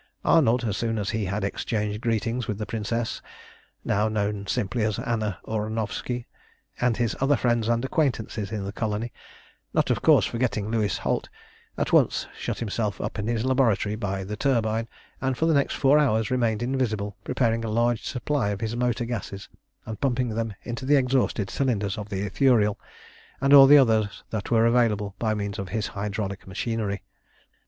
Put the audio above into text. Arnold, as soon as he had exchanged greetings with the Princess, now known simply as Anna Ornovski, and his other friends and acquaintances in the colony, not, of course, forgetting Louis Holt, at once shut himself up in his laboratory by the turbine, and for the next four hours remained invisible, preparing a large supply of his motor gases, and pumping them into the exhausted cylinders of the Ithuriel, and all the others that were available, by means of his hydraulic machinery.